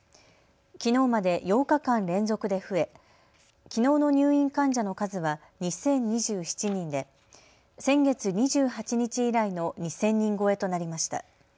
きのうまで８日間連続で増えきのうの入院患者の数は２０２７人で先月２８日以来の２０００人超えとなりました。